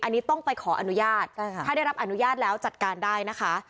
อันนี้ต้องไปขออนุญาตถ้าได้รับอนุญาตแล้วจัดการได้นะคะ